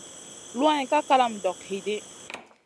Luwayn ka kalama dog hidi.